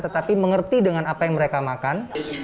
tetapi mengerti dengan apa yang mereka makan